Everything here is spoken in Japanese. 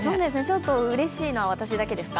ちょっとうれしいのは私だけですか？